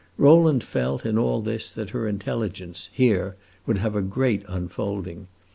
Rowland felt, in all this, that her intelligence, here, would have a great unfolding.